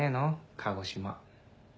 鹿児島。